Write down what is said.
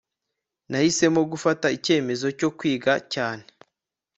nahisemo gufata icyemezo cyo kwiga cyane